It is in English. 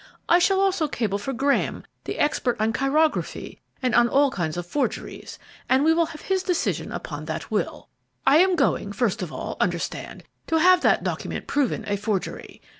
I shall also cable for Graham, the expert on chirography and on all kinds of forgeries, and we will have his decision upon that will. I am going, first of all, understand, to have that document proven a forgery.